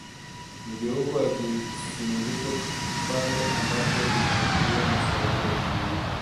mageuko ya kiusilimisho pale ambapo inaathiriwa na sauti ya kiyeyusho